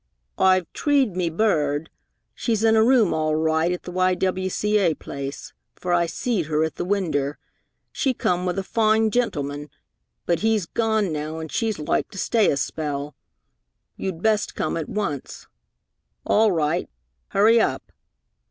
"Oi've treed me bird. She's in a room all roight at the Y.W.C.A. place, fer I seed her at the winder. She come with a foine gintlemin, but he's gahn now, an' she's loike to stay a spell. You'd best come at once.... All roight. Hurry up!"